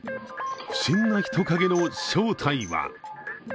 不審な人影の正体は？